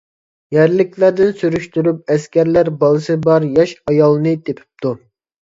يەرلىكلەردىن سۈرۈشتۈرۈپ ئەسكەرلەر، بالىسى بار ياش ئايالنى تېپىپتۇ.